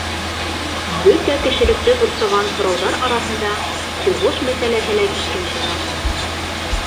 Бөтә кешелекте борсоған һорауҙар араһында һуғыш мәсьәләһе лә киҫкен тора.